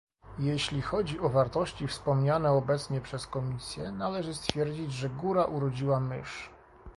Jeśli chodzi o wartości wspomniane obecnie przez Komisję, należy stwierdzić, że góra urodziła mysz